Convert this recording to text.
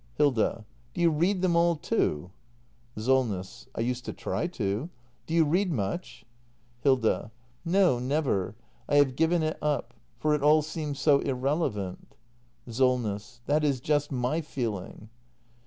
Hilda. Do you read them all, too? Solness. I used to try to. Do you read much ? act ii] THE MASTER BUILDER 337 Hilda. No, never! I have given it up. For it all seems so irrelevant. Solness. That is just my feeling.